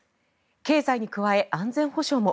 経済に加え安全保障も。